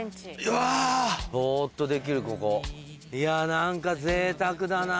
ぼっとできるここいや何かぜいたくだな。